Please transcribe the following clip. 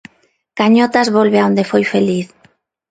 Cañotas volve a onde foi feliz.